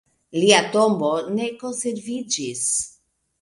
Lia tombo ne konserviĝis.